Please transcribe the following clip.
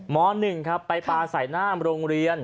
๑ครับไปปลาใส่หน้าโรงเรียน